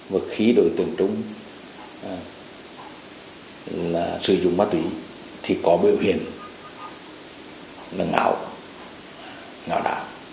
và khi đối tượng trung sử dụng má tủy thì có biểu hiện là ngạo ngạo đạo